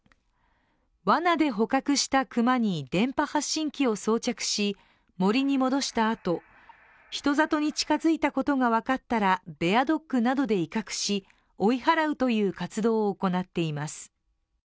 わなで捕獲した熊に電波発信機を装着し、森に戻したあと人里に近づいたことが分かったらベアドッグなどで威嚇し追い払うという活動を行っています。